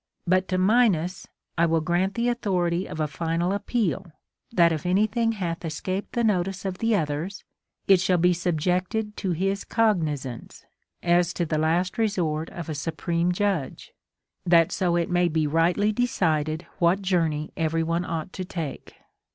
But to Minos I will grant the authority of a final appeal, that if any thing hath escaped the notice of the others, it shall be subjected to his cognizance, as to the last resort of a supreme judge ; that so it may be rightly decided what journey every one ought to take.